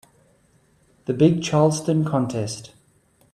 The big Charleston contest.